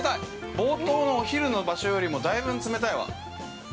冒頭のお昼の場所よりもだいぶん冷たいわ。